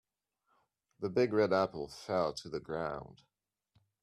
The big red apple fell to the ground.